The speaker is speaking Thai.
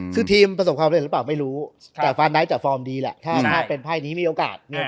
คือทีมประสบความเร็จหรือเปล่าไม่รู้แต่ฟานไททจะฟอร์มดีแหละถ้าเป็นไพ่นี้มีโอกาส